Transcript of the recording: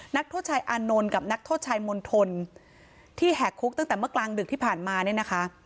นักโทษชายอานนท์กับนักโทษชายมณฑลที่แหกคุกตั้งแต่เมื่อกลางดึกที่ผ่านมาเนี่ยนะคะ